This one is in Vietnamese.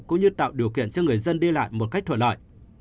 cũng như tạo điều kiện cho người dân đi lại một cách thuận lợi